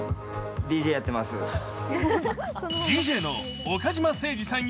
ＤＪの岡島誠二さん